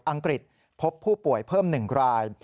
อังกฤษพบผู้ป่วยเพิ่ม๑ราย